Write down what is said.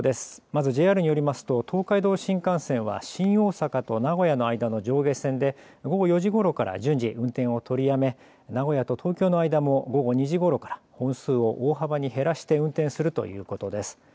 まずＪＲによりますと東海道新幹線は新大阪駅と名古屋の間の上下線で午後４時ごろから順次、運転を取りやめ名古屋と東京の間も午後２時ごろから本数を大幅に減らして運転するということです。